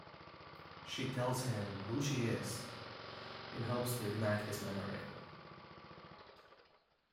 She tells him who she is, in hopes to ignite his memory.